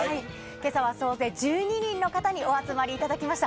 けさは総勢１２人の方にお集まりいただきました。